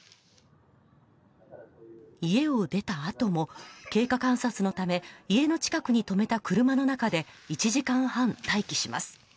家を出たあとも経過観察のため家の近くに止めた車の中で１時間半、待機します。